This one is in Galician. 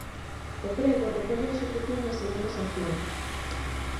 O prego recolle a execución das seguintes accións: